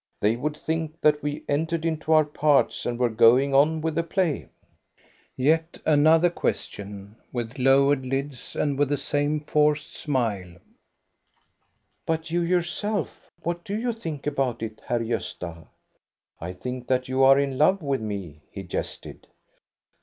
They would think that we entered into our parts and were going on with the play." Yet another question, with lowered lids and with the same forced smile, —" But you yourself? What do you think about it, Herr Gosta?" " I think that you are in love with me," he jested.